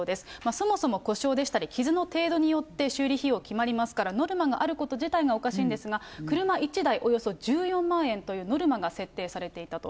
そもそも故障でしたり、傷の程度によって修理費用は決まりますから、ノルマがあること自体おかしいんですが、車１台およそ１４万円というノルマが設定されていたと。